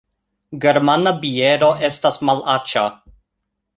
Germana biero estas malaĉa